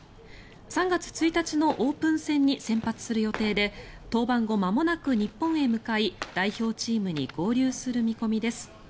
３月１日のオープン戦に先発する予定で登板後間もなく日本へ向かい代表チームに合流する見込みです。